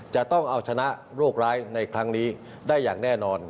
จะต้องเอาชนะโรคร้ายในครั้งนี้ได้อย่างแน่นอน